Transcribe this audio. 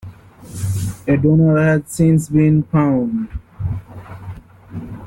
A donor has since been found.